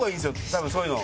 多分そういうの。